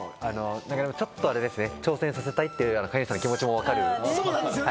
ちょっと挑戦させたいっていう飼い主さんの気持ちも分かる。